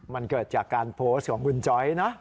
มันเกิดจากการโพสต์ของคุณจอยนะ